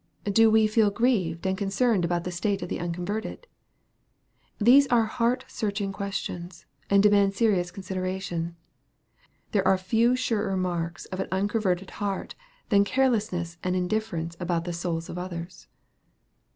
157 Do we feel grieved and concerned about the state of the unconverted ? These are heart searching questions, and demand serious consideration. There are few surer marks of an unconverted heart, than carelessness and indifference about the souls of others.